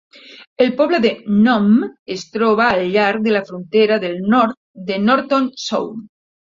El poble de Nome es troba al llarg de la frontera del nord de Norton Sound.